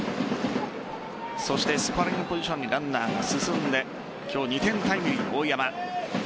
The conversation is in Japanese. スコアリングポジションにランナー進んで今日２点タイムリー、大山。